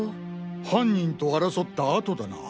犯人と争った痕だな。